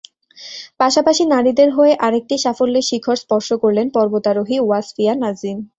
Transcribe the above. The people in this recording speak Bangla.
পাশাপাশি নারীদের হয়ে আরেকটি সাফল্যের শিখর স্পর্শ করলেন পর্বতারোহী ওয়াসফিয়া নাজরীন।